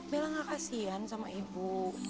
bella gak kasihan sama ibu